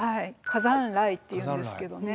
火山雷っていうんですけどね。